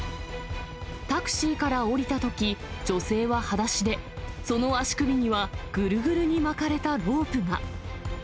タクシーから降りたとき、女性ははだしで、その足首には、ぐるぐるに巻かれたロープが。